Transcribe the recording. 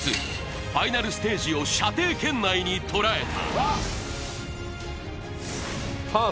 ファイナルステージを射程圏内に捉えた。